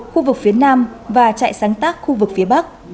khu vực phía nam và trại sáng tác khu vực phía bắc